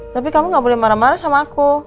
tapi kamu gak boleh marah marah sama aku